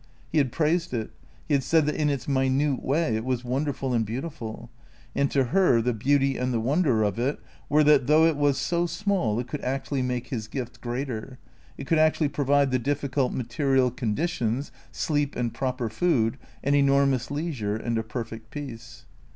He had praised it; he had said that in its minute way it was wonderful and beautiful; and to her the beauty and the wonder of it were that, though it was so small, it could actually make his gift greater. It could actually provide the difficult material conditions, sleep and proper food, an enormous leisure and a perfect peace.